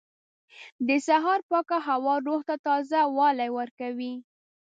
• د سهار پاکه هوا روح ته تازهوالی ورکوي.